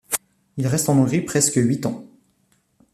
Il reste en Hongrie presque huit ans.